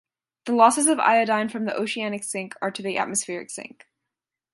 The losses of iodine from the oceanic sink are to the atmospheric sink.